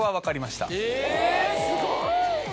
えすごい！